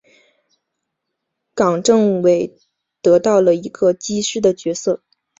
冈政伟得到了一个机师的角色。